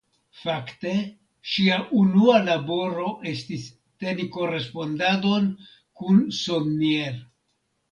Fakte ŝia unua laboro estis teni korespondadon kun Sonnier.